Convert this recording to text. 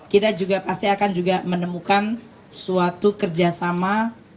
kita juga pasti akan juga menemukan suatu kerjasama